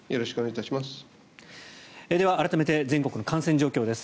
改めて全国の感染状況です。